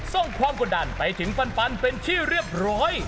ส่งความกดดันไปถึงฟันเป็นที่เรียบร้อย